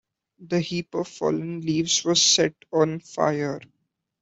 The heap of fallen leaves was set on fire.